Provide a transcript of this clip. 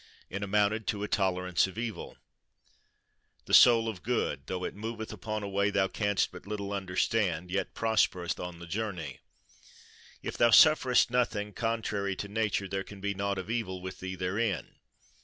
It amounted to a tolerance of evil. The soul of good, though it moveth upon a way thou canst but little understand, yet prospereth on the journey: If thou sufferest nothing contrary to nature, there can be nought of evil with thee therein.